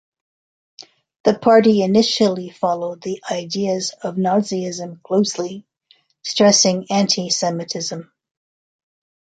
The party initially followed the ideas of Nazism closely, stressing anti-Semitism.